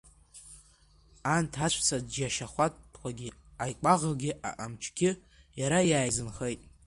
Анҭ аҵәца џьашьахәатәқәагьы, аикәаӷагьы, аҟамчгьы иара иааизынхеит.